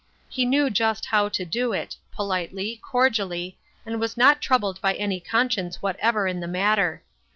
He knew just how to do it, politely, cordially, and was not troubled by any conscience whatever in the matter.